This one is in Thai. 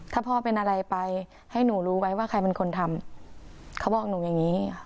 ถ้าพ่อเป็นอะไรไปให้หนูรู้ไว้ว่าใครเป็นคนทำเขาบอกหนูอย่างนี้